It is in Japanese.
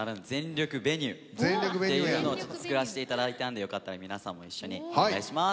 っていうのを作らせていただいたんでよかったら皆さんも一緒にお願いします。